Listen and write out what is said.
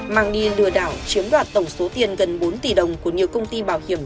mang đi lừa đảo chiếm đoạt tổng số tiền gần bốn tỷ đồng của nhiều công ty bảo hiểm